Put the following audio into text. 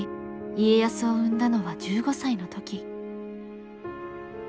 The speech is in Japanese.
家康を産んだのは１５歳の時。